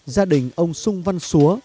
gia đình ông sung văn xúa